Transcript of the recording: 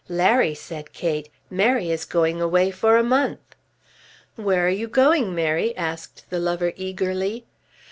"Larry," said Kate, "Mary is going away for a month." "Where are you going, Mary?" asked the lover eagerly.